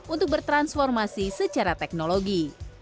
untuk bertransformasi secara teknologi